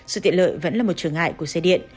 sự tiện lợi vẫn là một trường hại của xe điện